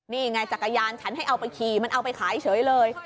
นี่ไงจักรยานฉันให้เอาไปขี่มันเอาไปขายเฉยเลย